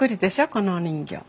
このお人形。